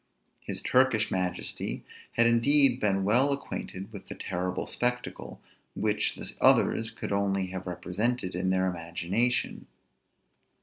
His Turkish majesty had indeed been well acquainted with that terrible spectacle, which the others could only have represented in their imagination.